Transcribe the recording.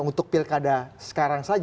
untuk pilkada sekarang seberangnya